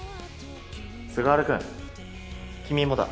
菅原君君もだ。